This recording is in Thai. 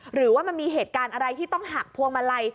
หรือว่ามันมีเหตุการณ์อะไรที่ต้องหักพวงมาลัย